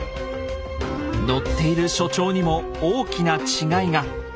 乗っている所長にも大きな違いが！